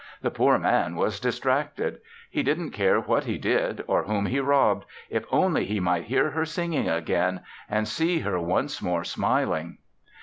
The poor Man was distracted. He didn't care what he did or whom he robbed, if only he might hear her singing again and see her once more smiling.